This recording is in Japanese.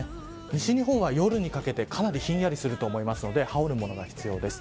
西日本は夜にかけてかなりひんやりすると思うので羽織る物が必要です。